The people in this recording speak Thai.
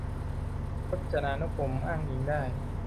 พจนานุกรมอ้างอิงได้